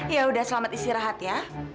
ya udah selamat istirahat ya